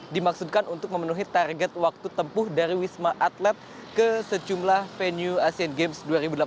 dimaksudkan untuk memenuhi target waktu tempuh dari wisma atlet ke sejumlah venue asian games dua ribu delapan belas